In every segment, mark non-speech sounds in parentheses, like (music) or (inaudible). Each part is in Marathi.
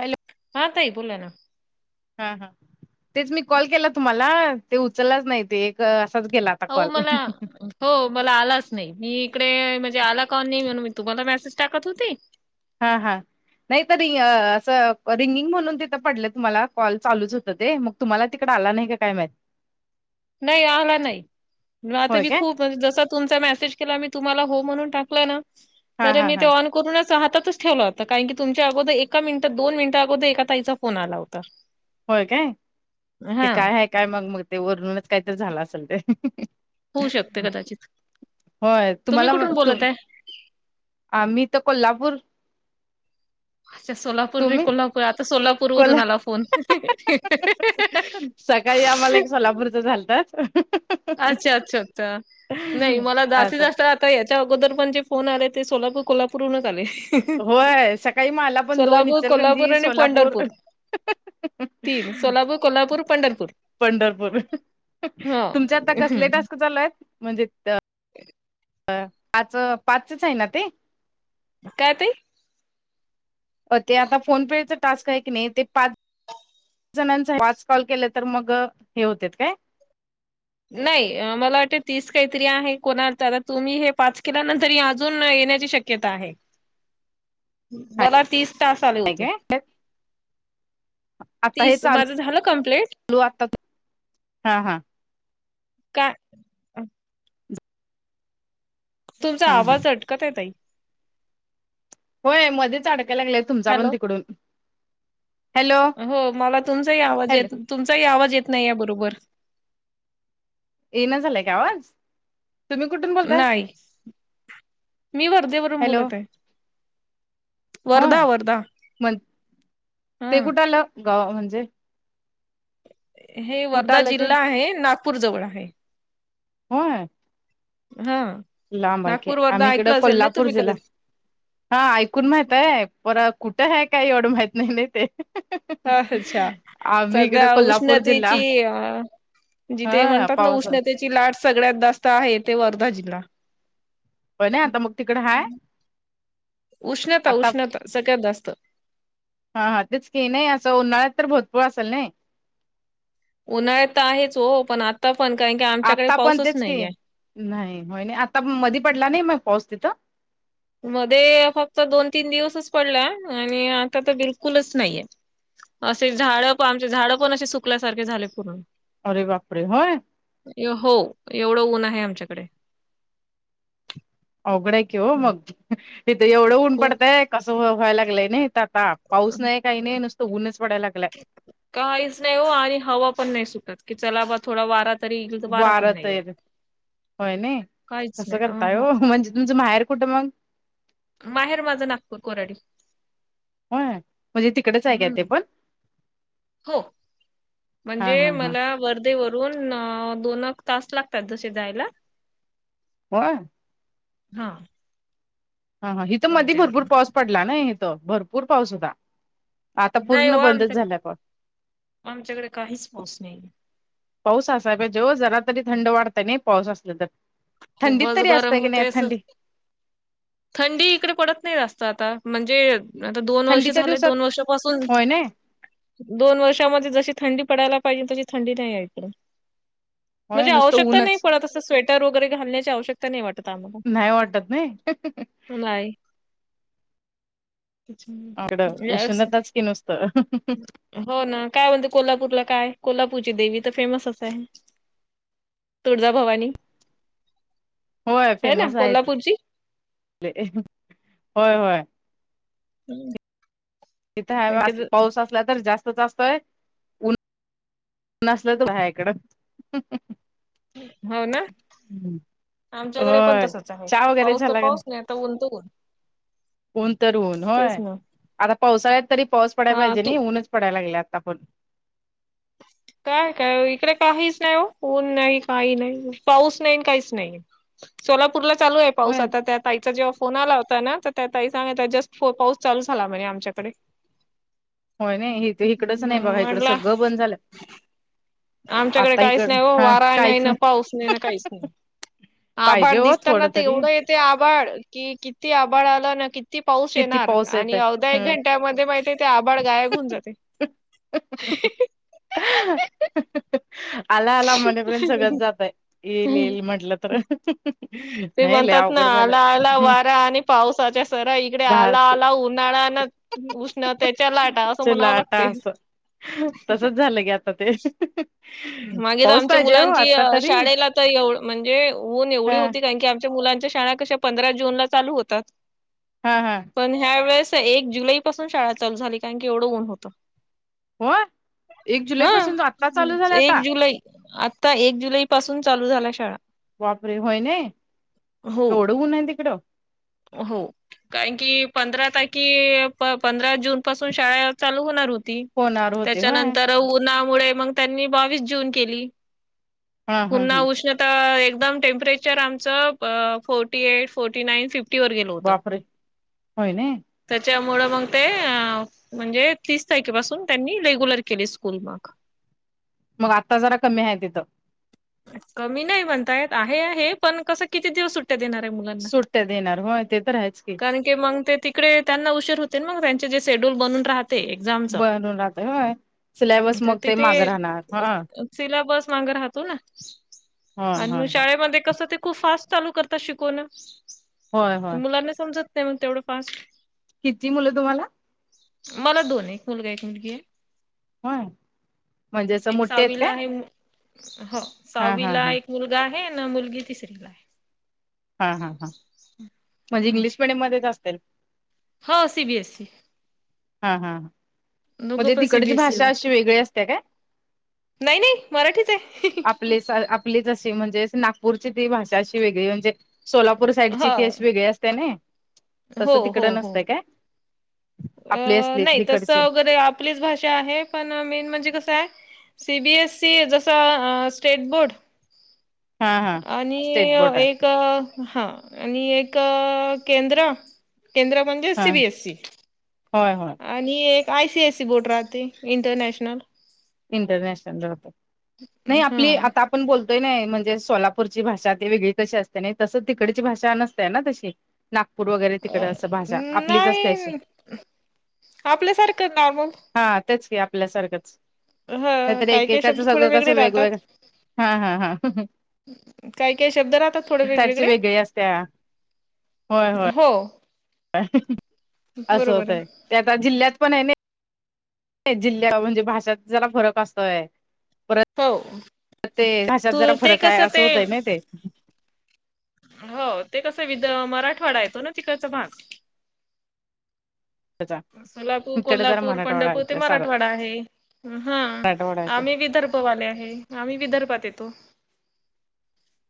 हॅलो हा ताई बोला ना हा हा तेच मी कॉल केला तुम्हाला ते उचललाच नाही ते एक असाच गेला हो कॉल मला हो मला आलाच नाही मी इकडे म्हणजे आला काॉ नाही म्हणून मी तुम्हाला मेसेज टाकत होती हा हा नाही तर रिंग असं रिंगिंग म्हणून तिथं पडलं तुम्हाला कॉल चालूच होत ते मग तुम्हाला तिकड आला नाही का काय माहित नाही आला नाही म आता होय मी काय खूप जसा तुमचं मेसेज केला तसा तुम्हाला हु म्हणून टाकला हा हा हा तेंव्हा पूर्ण अस हातातच ठेवला होता कारण की तुमच्या अगोद एका मिनिटात दोन मिनिट अगोद एका ताईचा फोन आला होता होय काय ते हा काय आहे काय मग मग ते वरूनच कायतर झालं असेल ते होऊ शकते कदाचित होय तुम्ही कुठून बोलत आहे आ मी तर कोल्हापूर अच्छा सोलापूर नाही तुम्ही कोल्हापूर आता सोलापूर वरून कोल्हा आला फोन सकाळी आम्हाला एक सोलापूरच झालतात अच्छा अच्छा अच्छा नाही मला जास्त असं जास्त का याच्या अगोदर पण जे फोन आले ते सोलापूर कोल्हापूरहूनच आले होय सकाळी मला पण दोन सोलापूर, कोल्हापूर इचलकरंजी आणि सोलापूर पंढरपूर तीन सोलापूर, कोल्हापूर, पंढरपूर पंढरपूर हा तुमचे आता कसले टास्क चालू आहेत म्हणजे ह (inaudible) आ आजच पाच पाचचच आहे ना ते काय ते ते आता फोन पेच टास्क हाय कने क नाही ते पाच जणांचा पाच कॉल केलं तर मग हे होते काय नाही मला वाटतते तीस काहीतरी आहे कोणा आता तुम्ही हे पाच केलानंतर अजून येण्याची शक्य क्यता आहे (inaudible) हाय मला तीस टास्क आले होते काय तीस माझं झालं कमप्लेट लू आता तू हा हा का तुमचा हा. आवाज अटकत आहेे ताई होय मध्येच अडकायला लागलेय तुमचा पण हॅलो. तिकडून हॅलो हो मला तुमचाही आवाज हॅलो येत तुमचाही आवाज येत नाही या बरोबर येन झालंय का आवाज तुम्ही कुठून बोलताय नाही. मी वर्धेवरून हॅलो बोलत आहे हो वर्धा वर्धा. म्हण ते हा कुठलं गाव म्हणजे हे कुठं वर्धा आलं ते जिल्हा आहे नागपूर जवळ आहे होय. हा लांब हाय नागपूर वर्धा कीआम्ही इकडं ऐकलं असेल ना कोल्हापूर तुम्ही जिल्हा. कदाचित हा ऐकून माहित आहे पर कुठं आहे काय एवढं माहित नाही नाही ते अच्छा आम्ही इकडे सध्या कोल्हापूर जिल्हा उष्णतेची अ जिथे हा म्हणतात ना पावस उष्णतेची लाट सगळ्यात जास्त आहे ते वर्धा जिल्हा पण नाही आता मग तिकड हाय उष्णता आता उष्णता सगळ्यात जास्त हा हा तेच क नाही असं उन्हाळ्यात तर भरपुर असेल नाही उन्हाळ्यात आहेच हो पण आता (inaudible) आता पण पाऊसच तेच की नाहीये नाही होय नाही आताण मधी पडला नाही मग पाऊस तिथं मध्ये फक्त दोन तीन दिवसच पडला आणि आता तर बिलकुलच नाही हाय. असे झाड पण आमचे झाडं पण असे सुकल्यासारखे झाले पूर्ण अरे बापरे होय हो एवढं ऊन आहे आमच्याकडे अवघड आहे कि हो हं. मग तिथं एवढं ऊन खूप पडतंय कस व्हायला लागलंय ना आता पाऊस नाही काही नाही नुसत ऊनच पडयला लागलाय. काहीच नाही हो आणि हवा पण नाही सुटत की चला बा थोडा वारा (inaudible) वारं तर होय नाही काहीच कसं नाही अ करताय ह हो म्हणजे तुमचं माहेर कुठं मग माहेर माझं नागपूर कोराडी हो म्हणजे तिकडेच हाय का हम्म ते पण हो हा म्हणजे हा हा मला व वरुन जसे दोनच तास लागतात जसे जायला होय हाय. हा हा इिथं मध्ये भरपूर पाऊस पडला ना इथं भरपूर पाऊस होता आता नाही पूर्ण हो बंदच आमच्या झालाय पाऊस आमच्याकडे काहीच पाऊस नाहीे. पाऊस असाय पाहिजे जरा तरी थंड वाढतय नाही पाऊस असला तर थंडीत खूपच तरी गरम असतय की नाही होतय असं. थंडी थंडी इकडे पडत नाही जास्त आता म्हणजे आता दोन वर्ष थंडीच्या झाले दिवसात दोन वर्षापासून होय नाही दोन वर्षामध्ये जशी थंडी पडायला पाहिजे तशी थंडी नाही आहे इकडे होय म्हणजे नुसतं आवश्यकता नाही ऊनच पडत त असं स्वेटर वगैरे घलण्याची आवश्यकता नाही वाटत आम्हाला नाही वाटत नाही नाही आगडं म्हणजे असं उष्णताच की नुसतं हो ना काय म्हणते कोल्हापूरला काय कोल्हापूरची देवी तर फेमस असते तुळजा भवानी होय ना फेमस आहे इथले कोल्हापूरची होय होय. हं. तिथे कारण हाय की पाऊस असला तर जास्त जास्तचं असतोय. नसल तर बाया इकड हो ना. आमच्याकडे पण होय तसच आहे चहा वगैरे पाऊस तर झाला का पाऊस नाही तर ऊन त ऊन. ऊन तर ऊन होय तेच ना आता पावसाळ्यात तरी पाऊस पडायला हा पाहिजे तू नाही ऊनच पडायला लागले आता पण. काय काय इकडे काहीच नाही हो ऊन नाही काही नाही पाऊस नाही न काहीच नाही. सोलापूरला चालू आहे पाऊस होय आता त्या ताईचा जेव्हा फोन आला होता ना त्या ताई सांगत जस्ट पाऊस चालू झाला म्हने आमच्याकडे. होय नाही इथ इकडच नाही हम् बघा इकडं मला. सगळं झालं. आमच्याकडे आता काहीच इकड नाही हो हा वारा नाही काहीच ना पाऊस नाही ना काहीच नाही. पाहिजे आभाड हो दिसताना थोडं तर तरी एवढं येते आभाड कि किती आभाड आलं ना किती ती पाऊस किती येणार पाऊस येत आणि आहे अवधदा एक हम्म घंट्यामध्ये माहिती ते आभाड गायब होऊन जाते (unintelligible) आला आला मणेपर्यंत सगळंच जातय येईल हम्म. येईल म्हंटलं तर. ते नाही लय म्हणतात ना अवघड झालं आला आला हम्म, वारा आणि पावसाच्या सरा इकडे दहा आला आला उन्हाळा न उष्णतेच्या लाटा असं म्हणावं चला आता लागतय. असं तसच झालं गे आता ते. मागे तर पाऊस आमच्या पाहिजे हो मुलांची अ आता तरी शाळेला तर म्हणजे ऊन एवढी हा होती कारण की आम मुलांच्या शाळा कशा पंधरा जून ला चालू होतात. हा हा. पण ह्या वेळेस एक जुलै पासून शाळा चालू झाली कारण की एवढं ऊन होतं. हो एक जुलै हा पासून आत्ता चालू झालाय आता. एक जुलै आता एक जुलै पासून चालू झालयां शाळा. बापरे होय नाही हो तेवढं ऊन आहे तिकडं. हो कारण की पंधरा तारखे पंधरा जून पासून शाळा चालू होणार होत होणार होते होय त्याच्यानंतर उन्हामुळे मग त्यांनी बावीस जून केली. हा हा पुन्हा ह उष्ण ता एकदम टेम्परेचर आमचं फोर्टी एट, फोर्टी नाईन फिफ् बापरे होयने त्याच्यामुळं मग ते म्हणजे तीस तारखेपासून त्यांनी रेग्युलर केले स्कूल मग. मग आत्ता जरा कमी आहे तिथं. कमी नाही म्हणता येत आहे हे पण कसं किती दिवस सुट देणारे मुला सुट्ट्या देणार होय ते तर आहेच की, ते मंग ते तिकडे त्यांना उशीर होते मग त्यांचे जे शेड्यूल बनून राहत ते एक्सामच बनून राहत होय सिलेबस ते मग तिथे मागं राहणार अ हा अ सिलाबस माग राहतो ना होय आणि मग होय होय शाळेमध्ये कसं ते खूप फास्ट चालू करतात शिकवण होय होय मुलांना समजत नाही मग तेवढं फास्ट किती मुलं तुम्हाला? मला दोन एक मुलगा, एक मुलगी आहे. होय म्हणजे अस एक मोट्ठे आहेत सहावीला काय? आहे हो, हा हा साहावीला हा एक मुलगा आहे. ना मुलगी तिसरी ला. हा हा हां म्हणजे इंग्लिश मिडियम मध्येच असतील. हा सि बी एस ई. हा हा दोघं म्हणजे पण तिकडची सीबीएसई ला भाषा आहे. अशी वेगळी असते काय? नाही नाही मराठीच आहे. आपली आपलीच अशी म्हणजे नागपूरची ती भाषा अशी वेगळी म्हणजे सोलापूर साईडची हा ती अशी वेगळी असते ना तसं हो तिकड हो हो नसतंय काय अ, आपली असली नाही तस तिकडचे वगैरे आपलीच भाषा आहे. पण मेन म्हणजे कसं आहे. सी बी एस सी जसा स्टेट बोर्ड हा हा आणि स्टेट बोर्ड आहे एक हा आणि एक केंद्र केंद्र म्हणजे सी हा बी एस सी. होय होय. आणि एक I C I C board राहते, इंटरनॅशनल. इंटरनॅशनल राहत, नाही हा आपली आता आपण बोलतोय नाही म्हणजे सोलापूरची भाषा ती वेगळी कशी असते नाही. तसं तिकडची भाषा नसतेय ना तशी नागपूर वगैरे तिकड अ, असं भाषा आपलीच असते अशी नाही आपल्यासारखं नॉर्मल. हा तेच की आपल्यासारखंच. ह नाहीतर काय काय शब्द एकेकाचं थोडे सगळं वेगळे कसं राहतात. वेगवेगळं हा हा हा काही काय शब्द राहतात थोडे साईडची वेगवेगळे. वेगळी असत्या होय होय हो. असं बरोबर होतय आहे ते आता जिल्ह्यात पण आहे नाही. जिल्ह्या म्हणजे भाषात जरा फरक असतोय परत हो (unintelligible) ते ढाषात तू जरा ते फरक आहे कसं असं ते होतय ना ते हो, ते कसं विद मराठवाडा येतो ना तिकडचा भाग त्याचा सोलापूर, इकडे जरा कोल्हापूर, मराठवाडा पंढरपूर, ते येत सारा मराठवाडा आहे. हा, मराठवाडा येत आम्ही विदर्भ वाले आहे आम्ही विदर्भात येतो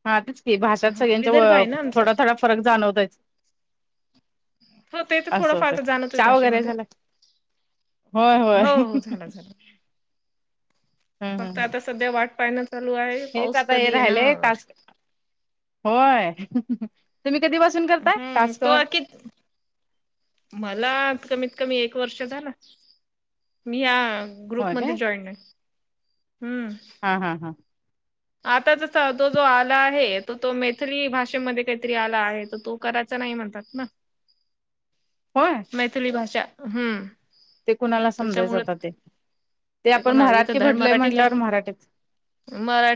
हा तेच की भाषात हा सगळ्यांच्या विदर्भ आहे ना आमचं थोडा थोडा फरक जाणवतोयच हो ते तर थोडं फार तर जाणतय भाषेमध्ये होय होय हो हो झालं झालं फक्त हम् आता सध्या वाट पाहाणं चालू आहे हेच पाऊस आता हे कधी राहिलंय येणार टास्क होय, तुम्ही कधी पासून करताय हम्म टास्क तो अखित मला कमीत कमी एक वर्ष झालं, मी या ग्रुप होय काय मध्ये जॉईन ए, हम्म हा हा हां आता जसा तो जो आला आहे तो तो मैथली भाषेमध्ये काहीतरी आला आहे तर तो करायचा नाही म्हणतात ना होय? मैथली भाषा, हम्म ते कुणाला समजायचं त्याच्यामुळे आता ते ते आपण कोणाला इथं मराठी धड भरलय मराठी नाही म्हटल्यावर मराठीच,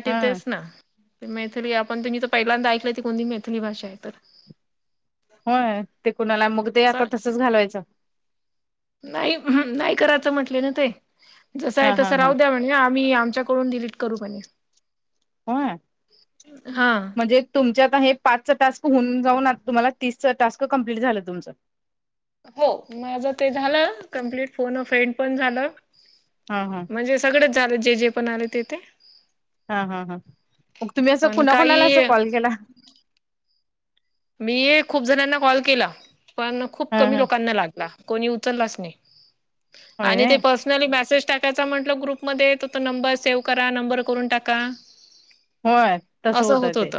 हम्म मैथली आपण त ते मी तर पहिल्यांदा ऐकलंय ती कोणती मैथली भाषा आहे तर होय, ते कुणाला मग ते आता तसंच घालवायचं नाही् नाही करायचं म्हटले ना ते जसं आहे हा हा तसं हा राहू द्या म्हणे आम्ही आमच्याकडून डिलीट करू म्हणे हा तुमचे आता हे पाच टास्क होऊन जाऊन आ तुम्हाला तीसच टास्क कम्प्लीट झालं तुमचं हो माझं ते झालं कंप्लीट फोन अ फ्रेंड पण झालं हं हं म्हणजे सगळेच झाले जे जे पण आले ते ते हा, हा, हा, मग तुम्ही असं पण कुणाकुणाला असं काही कॉल केला?? मी खूप जणांना कॉल केला पण खूप ह कमी ह लोकांना लागला कोणी उचललाच नाही होय आणि नाही ते पस नली मसेज टाकायचा म्हटलं ग्रुप मध्ये तर तो नंबर सेव्ह करा नंबर करून टाका होय तस होतं ते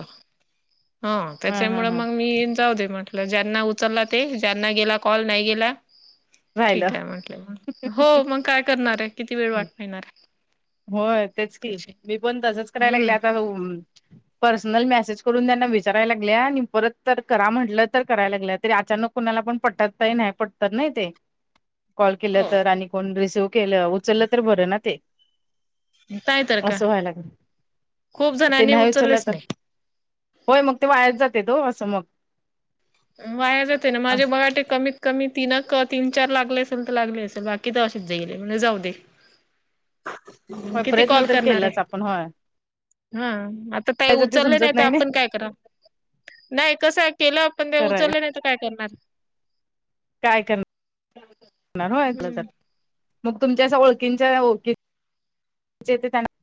हो हा हा त्याच्यामुळं हा मग मी जाऊ दे म्हटलं ज्यांना उचलला ते ज्यांना गेला कॉल नाही गेला राहिलं ठीक आहे म्हंटले मग हो मंग काय करणारे आहे किती वेळ वाट पाहायणार होय तेच की मी पण तसंच करायला लागले हम्म आता (unintelligible) पर्सनल मेसेज करून त्यांना विचारायला लागल्या आणि परत तर करा म्हटलं तर करायला लागलं तरी अचानक कुणाला पण पटतय नाही पटत नाही ते कॉल केलं हो तर आणि कोण रिसिव्ह केलं उचललं तर बरं ना ते ायय (unintelligible) असं व्हाया लागल ते जणांनी नाही उचलला उचललेच तर नाही. होय मग ते वायाच जातेेत हो असं मग वाया जाते ना माझे बघा ते कमी कमी तीनक तीन चार लागले असेल तर लागले असेल बाकी तर असेच जाईलये, म्हणजे जाऊ दे होय, किती प्रयत्न कॉल तर करणार आहे केलाच आपण होय हा, आता ताई त्याच ते उचललं नाही समजत तर ना आपण काय कराल? नाही, कसये केलं आपण ते खरंय उचलले नाही तर काय करणार काय करणार होय त्यात हम्म मग तुमच्या असा ओळखींच्या ओळखी जे ते त्यांना